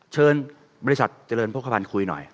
เชิญบริษัทเจริญโภคภัณฑ์คุยหน่อย